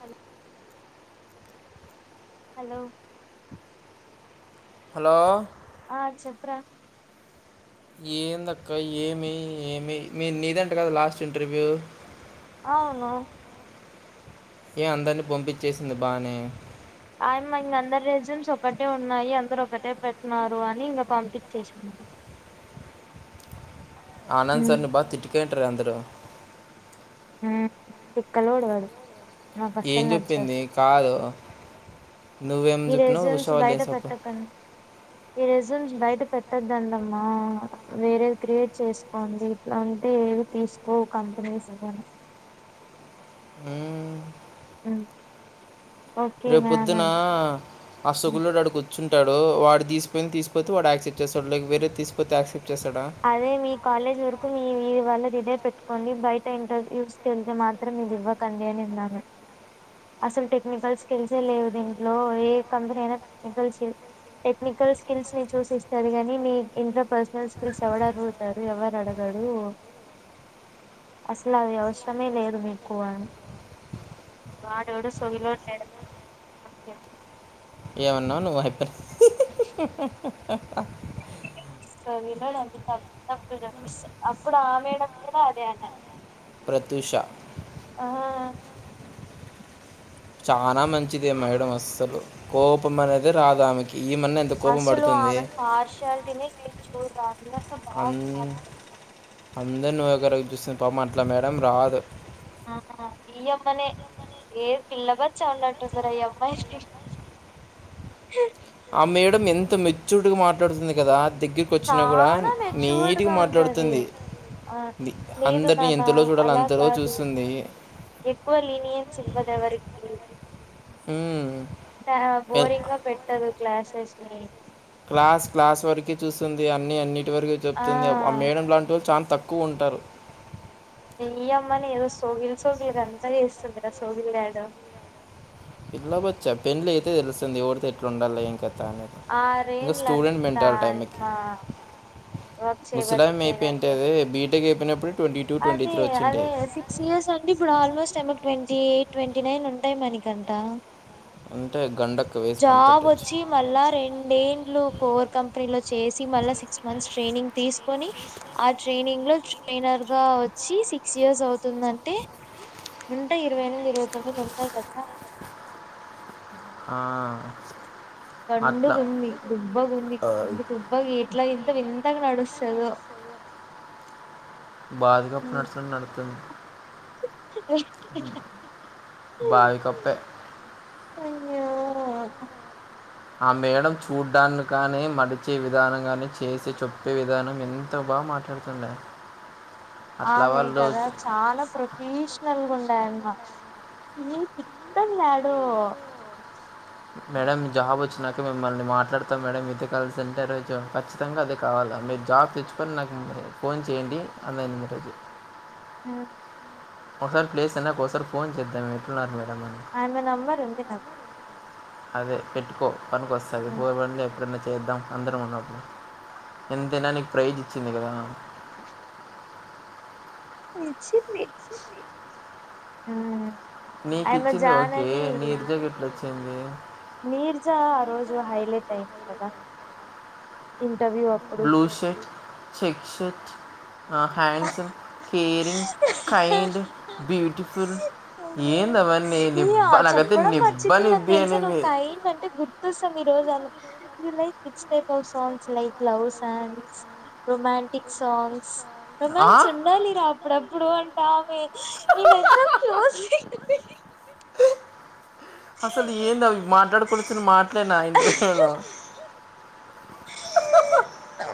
Hello hello hello ఆ చెప్పరా ఏందక్క ఏమి ఏమి మీ నీదంట కదా లాస్ట్ ఇంటర్వ్యూ అవును ఏ అందరినీ పంపించేసింది బానే ఆయమ్మా ఇంక అందరు రెస్యూమ్స్ ఒకటే ఉన్నాయి అందరుూ ఒకటే పెడుతున్నారు అని ఇంకా పంపించేసింది ఆనంద్ సార్ని బాగా తిటుకేంటారు అందరూ హ్మ్ తిక్కలోడువడు నాకు అస్సలు నచ్చడు ఈ రెస్యూమ్స్ బయట పెట్టకం ఈ రెస్యూమ్స్ బయట పెట్టద్దండమ్మా వేరేది క్రియేట్ చేసుకోండి ఇట్లా అంటే తీసుకోవ్ కంపెనీస్గా [inaudible] హ్మ్ రేపు పొద్దున అసగులు అడుగొ చుంటాడు వాడు తీసుకుపోయింది తీసిపోతే వాడు యాసెప్ట్ చేస్తాడు లేక వేరేది తీస్పోతే యాక్సె అదే మీ కాలేజ్ వరకు మీ మీదు వల్ల దిదే పెట్టుకోండి బయ్ ట ఇంటర్ వ్యూస్ కెల్ ళ్తే మాత్రం ఇది ఇవ్వకండి అని అన్నాను అస్సల్ టెక్నికల్ స్కిల్ సే లేవ్ దీంట్లో ఏ కంపినీ అయినా ఇంటవ్ ష్కి టెక్నికల్ స్కిల్స్ ని చూసిస్తరు గానీ మీ ఇంటర్ పర్ స్నల్స్ టిల్స్ ఎవడర్ అర్ తరు ఎవ్వరడగడు అస్ల అది ఔశ్రామే లేదు మీకువ వాడెవడో సోల్లుగాడ్ లే ఏవన్నా నువ్ హైపర్ హు హు హు హ్ సరిలిడా అని తప్ తప్పెజా పుస్సే అప్పుడు ఆమేడమ్ కూడా అదే అన్నా ప్రతూష చానా మంచిది ఆ మేడము అస్సలు కోపం అనేది రాదామేకి అస్సలు ఆమె పార్ షాల్టీనే నేన్ చూడ్ లే ఎంతో బా మాట్ లాడ్ అందర్ని ఒక రైపు చూస్తద్ పాప్ మా అట్ల మేడం రాదు ఆ ఆ ఈ అమ్మనే ఏ పిల్ల బచ్చ ఉన్నట్టువుందిర ఈ అమ్మాయి హీ హే ఆ మేడం ఎంత మెచ్యుడ్ గా మాట్లాడుతుంది గదాద్ దెగ్గగ్ కొచ్ నా గుడా నీటీగా మాట్లాడుతుంది అందర్ని ఎంతలో జుడాలో అంతలో చూస్తుంది ఎక్కువ లినిఎన్స్ ఇవ్వద్ ఎవరికి త్యాబ్ బోరింగ్ గా పెట్టదు క్లాసెస్ ని క్లాస్ క్లాస్ వరకే చూసుంది అన్ని అన్నిటి వరకు చెప్తుంది ఒక్ ఆ మేడం లాంటోల్ చాన్ తక్కువుంటరు ఇయ్యమ్మని ఏదో సోగిల్ సోగిల్ అంతా జేస్తుందిరా సొగిలిడి యాడో పిల్ల బచ్చ పెడ్లయితే తెలుస్తుంది ఓర్ తో ఎట్లా ఉండాలి ఏంక తనేది ఇంగ స్టూడెంట్ మెంటాలు ఆమెకి ముసలామే అయ్ పెయింటది బీటెక్ అయ్ పెనపుడ్ అది అదే సిక్స్ ఇయర్స్ అండి ఇప్పు ఆల్ మోస్ట్ సెమ్ము క్ ట్వంటీ ట్వంటీ నైన్ ఉంటాయ్ మాణికంఠ ఉంటాద్ జాబోచ్చి మళ్ళా రెన్ డేన్ లు కోర్ కంపెనీ లో చేసి మళ్ళ సిక్స్ మంత్స్ ట్రేనింగ్ తీసుకొని అ ట్రేనింగ్ లో చూ టేనర్ గా వోచ్చి సిక్స్ ఇయర్స్ ఔతుందంటే ఉంటయ్ ఇరవై ఎనిమిది ఇరువై తొమ్మిది ఉంటా కద [inaudible] పండుగుంది హు బాగుంది ఇంత దుబ్బ ఎట్లా ఇంత వింతగా నడుస్తదొ బాత్ రూమ్ నడ్ సినట్టు నడుస్తది హీ హ్ అయ్యో యో ఆ మేడమ్ చూడ్డాన్ గాని మడిచే విధానం గాని చేసే చొప్పే విధానం ఎంత బా బా మాట్లాడుతుండే ఆమె కదా చాలా ప్రే ఇష్ నల్ గుండాల్ మా హుమ్ హు ఈ తిక్కల్ యాడో [inaudible] మేడం జాబ్ ఓచ్ నాక మిమ్మల్ని మాట్లాడతాం మేడం మీతో కలిసుంటే రోచం ఖచ్చితంగా అదే కావాల మీ జాబ్ తెచ్చుకొని నాకు ఫోన్ చేయండి అనేది రోజు ఆ ఒకసారి ప్లేస్ అయి ఒకసారి ఫోన్ చేద్దాం అంట్నరు మీరు ఆమె నంబర్ ఉంది నా అదే పెట్టుకో పనికి వస్తాది పూరుబం ఎప్పుడన్నా చేద్దాం అందరం ఉన్నప్పుడు ఎంతైనా నీకు ప్రైజ్ ఇచ్చింది కదా. [inaudible] ఇచ్చింది ఆ నీకు ఇచ్చింది ఓకే నీ ఇగ ఎట్లా వచ్చింది. మీర్జా ఆ రోజు హైలైట్ అయింది కదా ఇ చవి అప్పుడు శక్షట్ ఆ హ్యాండ్స్ కేరింగ్ కైండ్ బ్యూటిఫుల్ ఈ చెప్పడం మర్చిపోయినాకు తెలిసా నువ్వు కైంద అంటే గుర్తొస్తాంది ఈరోజు ఆమె ఇలైక్ which type of songs like love songs romantic songs మంచి ఉండాలిరా అప్పుడప్పుడు అంటామె నేనద చూసి అసలు ఏంది అవి మాట్లాడుకూడాచ్చ మాట్లేన ఇంటర్వ్యూ లో [inaudible]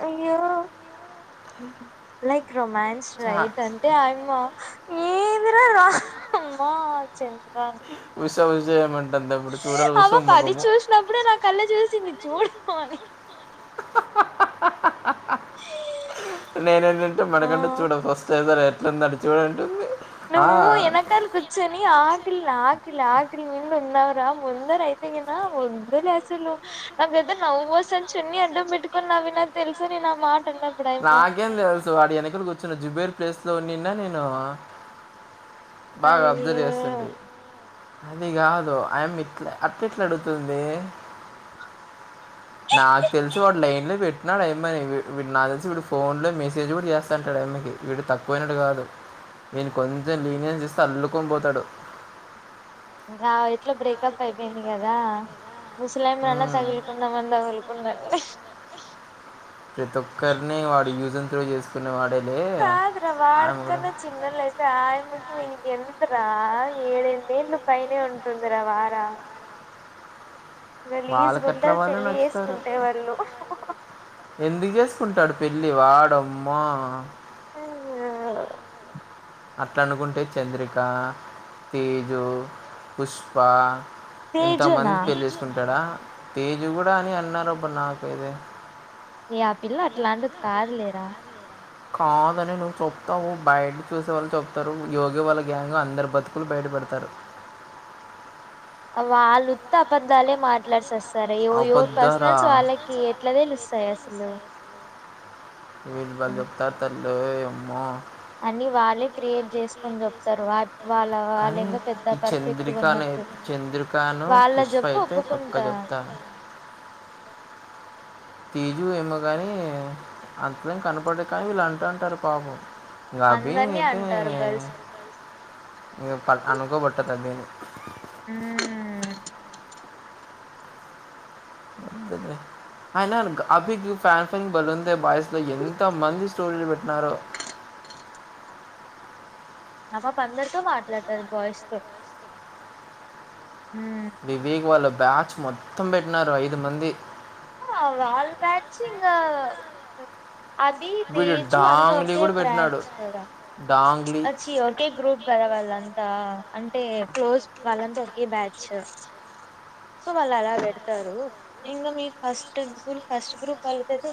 అయ్యో లైక్ రొమాన్స్ రైట్ అంటే ఆయమ్మ ఏందిరా అమ్మ చె విస విజేమన్ అవా పది చూసినప్పుడే నా కళ్ళ చూసింది చూడ అని [inaudible] నేన ఏంటంటే మనకంటే చూడ ఫస్ట్ అయిదారు ఎట్లంద అడి చూడంటుంది నువ్వూ ఎనకాల కుచోని ఆకలి ఆకలి ఆకలి మీద ఉన్నా రా ముందరైతేగనా వద్దులేసలు నాకైతే నవ్వు వస్తాంది. చున్నీ అడ్డం పెట్టుకున్నా. అవిన తెలుసు నేనా మాట్ నాకేం తెలుసు వాడి వెనకడి కూర్చున్న జుబేర్ ప్లేస్ లో ఉన్నినా నేను బాగ అబ్జర్వ్ చేస్తుంది అది కాదు ఆమ్ ఇట్ల అట్టెట్లా అడుగుతుంది. నాకు తెలుసు వాడు లైన్ లో పెట్టినాడు ఆయమ్మని విన్నా వీడు ఫోన్ లో మెసేజ్ కూడా చేస్తాంటాడు. ఆమ్మకి వీడు తక్కువైనోడు కాదు. నీను కొంచెం లీనియన్ ఇస్తే అల్లుకొని పోతాడు. ఇంకా ఎట్లా బ్రేకప్ అయిపోయింది కదా. తగులుకుందామని తగులుకుందంని ప్రతి ఒక్కరిని వాడు యూజన్ త్రో చేసుకునే వాడ కాదురా వాడ్కన్నా చిన్నల అయితే ఆయమ్మకి వీనికి ఎందుకు రా ఏడెందేంళ్ళ పైనే ఉంటుందిరా వార వాళ్ళకట్లా వాళ్ళే నచ్చుతారు. ఎందుకు చేసుకుంటాడు. పెళ్లి వాడమ్మా అట్ల అనుకుంటే చంద్రిక తేజు పుష్ప ఇంతమంది పెళ్ళి చేసుకుంటాడా తేజు కూడా అని అన్నారు అబ్బా నాకేద ఏ ఆ పిల్ల అట్లాంటిది కాదు లేరా కాదని నువ్వు చెప్తావు బయట చూసే వాళ్ళు చెప్తారు. యోగి వాళ్ళ గ్యాంగ్ అందరు బతుకులు బయట నీ పెడతారు వాళ్ళుతి అబద్ధాలే మాట్లాడి సస్ స్తారు యోరూ ఏరు పర్సనల్స్ వాళ్ళకి ఎట్లా తెలుస్తాయి అసలు వీళ వాళ్ళు చెప్తుంటారు ఆ అని వాళ్ళే క్రియేట్ చేసుకోని చెప్తారు వాట్ కానీ ఈ చంద్రికను చంద్రికను పుష్ప అయితే పక్క చెప్ తార్ తేజు ఏమో గాని అంతలేం కనపడది కానీ వీళ్ళు అంటుంటారు పాపం ఇగ అభి అయితే ఇగ పద్నాలుగొందలు గొట్టోది అభి అయి ఉహు [unintelligible] అయినా అభికి ఫ్యాన్ ఫాలోయింగ్ బలుందే బాయిస్ లో ఎంత మంది స్టోరీలు పెట్టినారో ఆ పాప అందరితో మాట్లాడతాది బాయ్స్ తో వివేక్ వాళ్ళ బ్యాచ్ మొత్తం పెట్ వాల్ బ్యాచ్ ఇంగా అది తేజు అంత ఒకే బ్రాంచ్ కదా ఆ చి ఒకే గ్రూప్ కదా వాళ్లంతా అంటే క్లోజ్ వాళ్ళంతా ఒకే బ్యాచ్ సో వాళ్ళు అలా పెడ్ టారు ఇంగ మీ ఫస్ట్ గ్రూప్ ఫస్ట్ గ్రూప్ వాళ్ళతో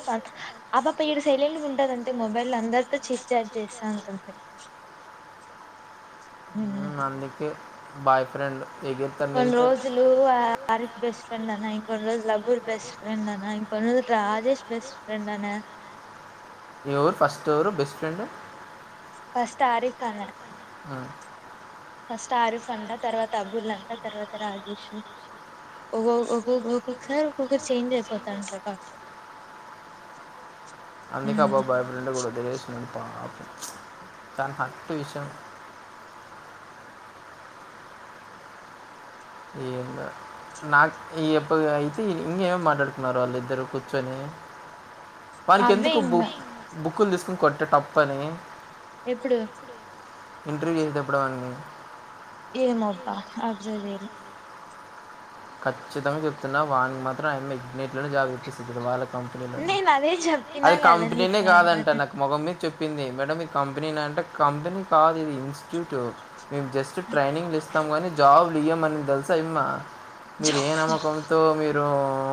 ఆ పాప ఏడు సైలెంట్ ఉంటదంటే మొబైల్ అందరితో చిట్ చాట్ చేస్తా ఉంటుంది హ్మ్ అందికే బాయ్ ఫ్రెండ్ కొన్ని రోజులు ఆరిఫ్ బెస్ట్ ఫ్రెండ్ అన్నా ఇంకన్ని రోజులు ఆఘూర్ బెస్ట్ ఫ్రెండ్ అన్నా కొన్ని రోజులు రాజేష్ బెస్ట్ ఫ్రెండ్ అనా ఎవరు ఫస్ట్ ఎవరు బెస్ట్ ఫ్రెండ్ ఫస్ట్ ఆరిఫ్ అన్న ఫస్ట్ ఆరిఫ్ అంట తర్వా తా అబుల్ అంటా తర్వాత రాజేష్ ఒకో ఒకో ఒక్కొక్కసారి ఒక్కొక్కరూ చేంజ్ అయిపోతా ఉంటారు అబ్బా అందుకే అబ్బా బాయ్ఫ్రెండ్ కూడా [unintelligible] పాపం కానీ హట్ విషం ఏంటో నాకు ఇ ఏప్ అయితే ఇంగేమేం మాట్లాడుకున్నారు వాళ్ళిద్దరు కూర్చొని వానికి ఎందుకు బు బుక్కులు తీసుకుని కొట్టే తప్పని ఎప్పుడు ఇంటర్వ్యూ అయ్యేటప్పుడువన్ని ఏమో అబ్బా అబ్జర్వ్ చేయలే ఖచ్చితంగా చెప్తున్నా వానికి మాత్రం అయ్యమ్మయి ఎగ్నేట్లను జాబ్ తేప్పిస్తది వాళ్ళక్ కంపెనీలో అది కంపెనీనే కాదంట నాకు మోగం మీ చెప్పింది మేడం ఇది కంపెనీ నా అంటే కంపెనీ కాదు ఇది ఇన్స్టిట్యూట్ మేము జస్ట్ ట్రైనింగ్లు ఇస్తాము కానీ జాబ్లు ఇయ్యాంమనింది తెలుసా ఇమ్మా మీరు ఏ నమ్మకంతో మీరు లో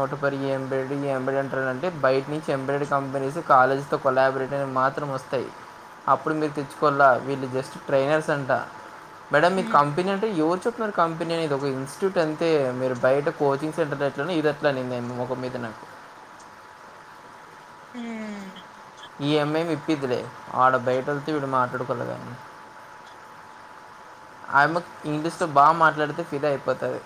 ఒక పరి ఎంబడ్ ఎంబంటంటే బయట నుంచి ఎంబడేడ్ కంపెనీస్ కాలేజ్ తో కొలాబ్ రేట్ అయినాయి మాత్రం వస్తాయి అప్పుడు మీరు తెచ్చుకోలా వీళ్లు జస్ట్ ట్రైనర్స్ అంట మేడం మీది కంపెనీ అంటే ఎవరు చెప్పినారు కంపెనీ అనిది ఒక ఇన్స్టిట్యూట్ అంతే మీరు బయట కోచింగ్ సెంటర్ ఎట్లనో ఇది అట్లా అనిందంది ముఖం మీద నాకు మ్ ఈయమ్మేం ఇప్పిదిలే. ఆడ బయట వెళ్తే వీడు మాట్లాడుకోలేదా అని ఆయమ్మ ఇంగ్లీష్ లో బా మాట్లాడితే ఫిద అయిపోతది.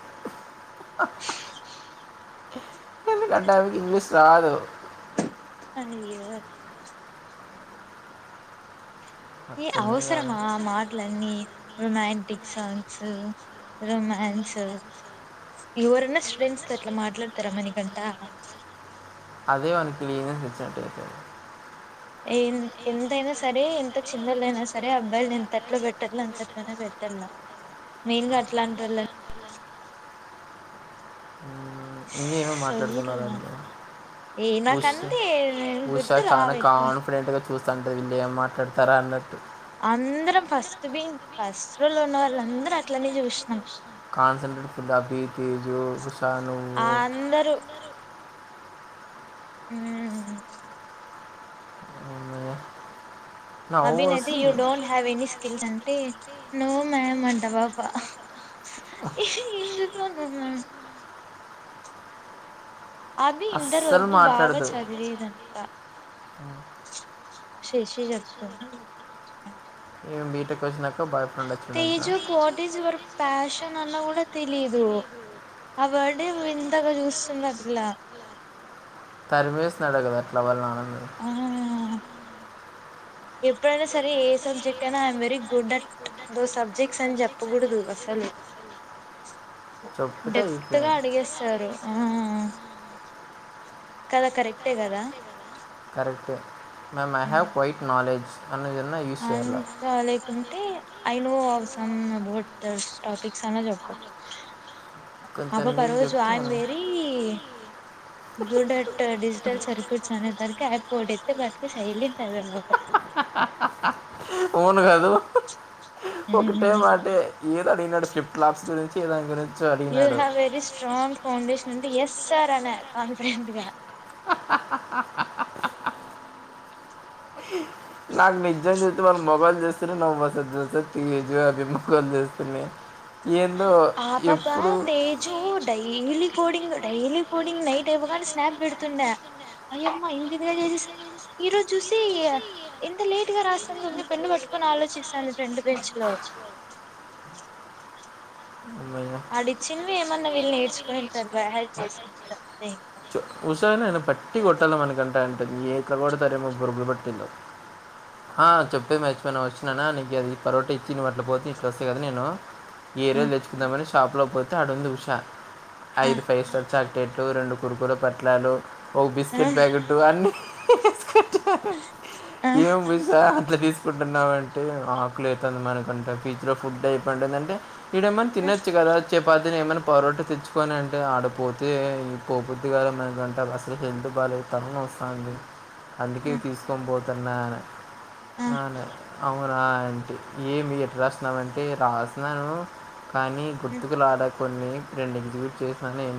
ఎందుకంటే ఆయమ్మకి ఇంగ్లీష్ రాదు. అయ్యో ఏ అవసరమా ఆ మాటలన్నీ? Romantic songs, romance. ఎవరన్నా స్టూడెంట్స్తో ఇట్ల మాట్లాడతారా మనికంట? అదే వానికి లీనియన్స్ ఇచ్చినట్టయితది. ఏ ఎంతైనా సరే ఎంత చిన్నోలైనా సరే అబ్బాయిలు ఇంతట్లో పెట్టల్లో అంతట్లోనే పెట్టల్ల. మెయిన్గా అట్లాంటోల్లని. మ్ ఇంకేమో మాట్లాడుకున్నార అడిగా ఉషా, ఉషా చాన కాన్ఫిడెంట్ గా చూ స్తాంటది. వీళ్ళు ఏం మాట్లాడతారా అన్నట్టు అందరం ఫస్ట్ బి ఫస్ట్ రో లో ఉన్న వాళ్ళు అందర అట్లనే చూసినాం. Concentrate for the B K జో గుసాన్ అందరూ మ్ అభిని అయితే you don't have any skills అంటే, నో మ్యామ్ అంట ఆ పాప. ఏం చెప్పినా నో మ్యామ్ అభి ఇంటర్ వరకు బాగా చదివేదంట. శేషే చెప్తన్న వింట ఏం బీటెక్ వచ్చినక Teju what is your passion అన్నా కూడా తెలీదు. ఆ వర్డ్ యే వింతగా చూస్తుంది ఆ పిల్ల. తర్మేసినాడు కదా అట్ల వాళ్ళ నాన్న. ఆహాహహాహ ఎప్పుడైనా సరే, ఏ సబ్జెక్ట్ అయినా I'm very good at those subjects అని చెప్పకూడదు అస లు డెప్త్ గా అడిగేస్తారు ఆ. కదా కరెక్టే కదా? కరెక్ట్ ఎ. Ma'am I have quite knowledge. అంత లేకుంటే I know of some about others topics అన్న చెప్పచ్చు. ఆ పాప ఆ రోజు I am very good at digital circuits అనే తరికె ఆయప్ ఒకటెత్తే బ కె సైలెంట్ ఐతాంది పాప ఊను కదూ ఒకటే మాటే. ఏదో అడిగినాడు ఫిఫ్ట్ లాప్స్ గురించి ఏదానిగురిన్ you have very strong foundation అంటే ఎస్ఆర్ అన కాన్ఫిడెంట్గా. నాకు నిజం చెప్తే, వాళ్ళ మొబైల్ చూస్తేనే నవ్వొస్తది తెలుసా, తీ జో అభి ముఖాలు చూస్తేనే ఆ పాపా Teju daily coding daily coding night ఆవ్వగాని స్నాప్ పెడుతుండ అయ్యమ్మా ఇంక ఇది కేజస్త ఈ రోజు చూసి ఎంత లేట్ గా రాస్తాను మీ పెన్ను పట్టుకొని ఆలోచిస్తాను ఫ్రంట్ బెంచ్ లో అ ఆడిచ్చినవి ఏమన్నా వీళ్ళు నేర్చుకుంటారు బై హార్ట్ చేసి చ ఉసానే నేను పట్టి కొట్టాలి మనకంట అంట ఏట్లా కూడాతారేమో బురుబులు పట్టిందో ఆ చెప్పే మర్చిపోయాను వచ్చినాన్న నీకు అది పరోట ఇచ్చివ అట్ల పోతే ఇట్ వస్తే కదా నేను వేరే కని షాపులో పోతే అడుంది ఉషా ఐదు ఫైవ్ స్టార్ చాకలెట్లు రెండు కుర్ కురే పట్టలాలు ఓ బిస్కెట్ ప్యాకెట్ అన్ని ఎస్ ఏం ఉషా అట్లా తీ తీసుకుంటున్నావ్ అంటే ఆకులితుంది మణికంఠ ఫీచలో ఫుడ్ అయిపోంటే అంటే తిననొచ్చు కదా చేపాతిని ఏమైనా పరోట తెచ్చుకని అంటే ఆడపోతే పోబుద్ధి కాదు మణికంఠ అసలు ఎం పర్ తలనొస్తోంది అందుకే తీసుకొబోతున్నా ఆహా అవునా అంటే ఏమి ఎట్ రాస్తున్నావుంటే రాసినాను కానీ గుర్తుకులలే కొన్ని రెండు ఎగ్జిట్ చేసిన ఏ